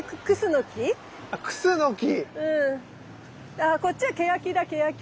あっこっちはケヤキだケヤキ。